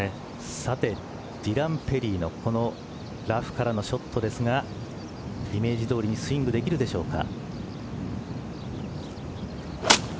さてディラン・ペリーのラフからのショットですがイメージ通りにスイングできるでしょうか。